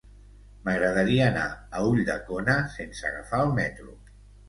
M'agradaria anar a Ulldecona sense agafar el metro.